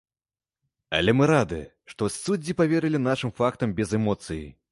Але мы рады, што суддзі паверылі нашым фактам без эмоцый.